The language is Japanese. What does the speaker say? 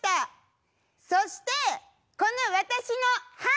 そしてこの私の歯！